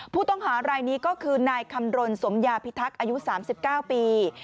ผู้ต้องหารายนี้ก็คือนายคำรณสมยาพิทักษ์อายุ๓๙ปี